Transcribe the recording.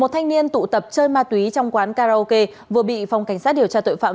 một mươi một thanh niên tụ tập chơi ma túy trong quán karaoke vừa bị phong cảnh sát điều tra tội phạm